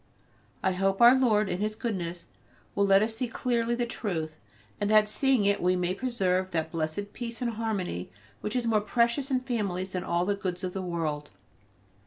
I hope Our Lord in His goodness will let us see clearly the truth, and that seeing it we may preserve that blessed peace and harmony which is more precious in families than all the goods of the world.